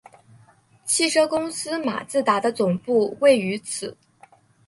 汽车公司马自达的总部位于此。